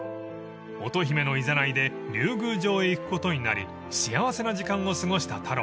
［乙姫のいざないで竜宮城へ行くことになり幸せな時間を過ごした太郎］